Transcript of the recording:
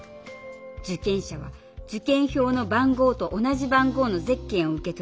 受験者は受験票の番号と同じ番号のゼッケンを受け取り